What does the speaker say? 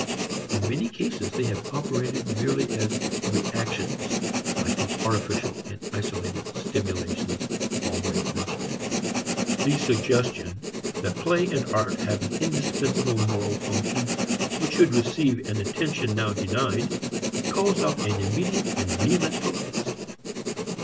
In many cases they have operated merely as reactions like those artificial and isolated stimulations already mentioned. The suggestion that play and art have an indispensable moral function which should receive an attention now denied, calls out an immediate and vehement protest.